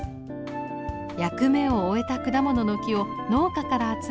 役目を終えた果物の木を農家から集め寄せ木にします。